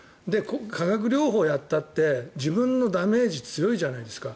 化学療法をやったって自分のダメージ強いじゃないですか。